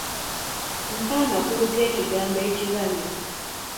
Mpa amakulu g’ekigambo ekibanyi